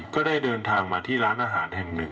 ก็ได้เดินทางมาที่ร้านอาหารแห่งหนึ่ง